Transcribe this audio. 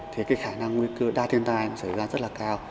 thì cái khả năng nguy cơ đa thiên tai xảy ra rất là cao